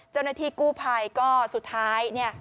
เจ้าหน้าที่กู้ภัยก็สุดท้ายเนี่ย